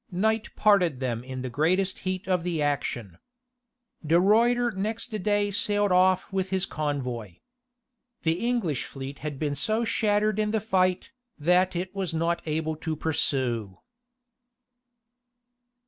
Night parted them in the greatest heat of the action. De Ruiter next day sailed off with his convoy. The English fleet had been so shattered in the fight, that it was not able to pursue.